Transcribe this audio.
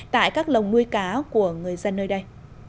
tại các lồng nuôi cá của người dân nơi đây